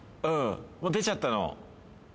うん。出ちゃったの？